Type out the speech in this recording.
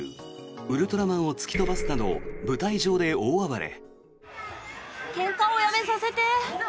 ウルトラマンを突き飛ばすなど舞台上で大暴れ。